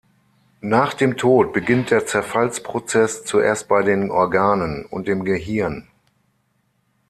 Nach dem Tod beginnt der Zerfallsprozess zuerst bei den Organen und dem Gehirn.